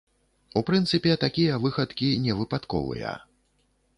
У прынцыпе, такія выхадкі не выпадковыя.